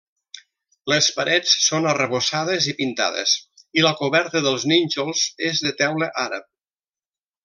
Les parets són arrebossades i pintades i la coberta dels nínxols és de teula àrab.